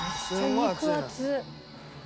肉厚！